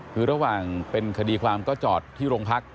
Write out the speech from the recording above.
คือระหว่างเป็นคดีความก็จอดที่โรงพัก